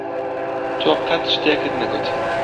تۆ قەت شتێکت نەگوت.